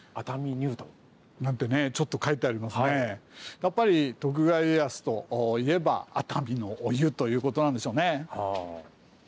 やっぱり徳川家康といえば熱海のお湯ということなんでしょうね。